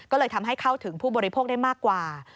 ก็เลยทำให้เข้าถึงผู้บริโภคได้มากกว่า